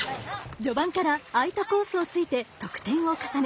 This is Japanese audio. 序盤から空いたコースを突いて得点を重ね